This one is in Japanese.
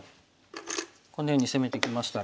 このように攻めてきましたら。